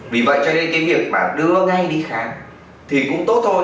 vì vậy cho nên cái việc mà đưa ngay đi khám thì cũng tốt thôi